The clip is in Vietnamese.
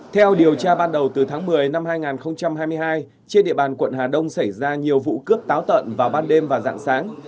theo điều tra ban đầu từ tháng một mươi năm hai nghìn hai mươi hai trên địa bàn quận hà đông xảy ra nhiều vụ cướp táo tận vào ban đêm và dạng sáng